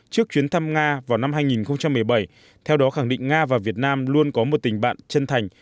trước chuyến thăm nga vào năm hai nghìn một mươi bảy theo đó khẳng định nga và việt nam luôn có một tình bạn chân thành